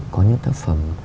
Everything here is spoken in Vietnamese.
có những tác phẩm